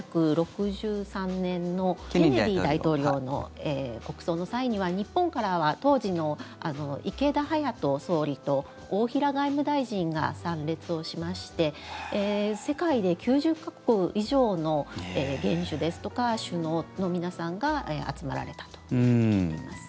１９６３年のケネディ大統領の国葬の際には日本からは当時の池田勇人総理と大平外務大臣が参列をしまして世界で９０か国以上の元首ですとか首脳の皆さんが集まられたと聞いています。